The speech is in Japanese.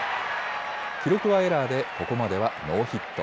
記録はエラーでここまではノーヒット。